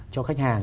cho khách hàng